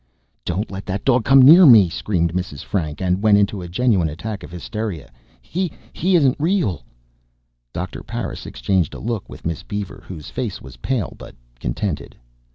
"Don't let that dog come near me!" screamed Mrs. Frank and went into a genuine attack of hysteria. "He isn't real!" Doctor Parris exchanged a look with Miss Beaver, whose face was pale but contented.